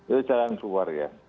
itu jalan keluar ya